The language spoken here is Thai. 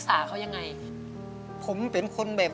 สวัสดีครับ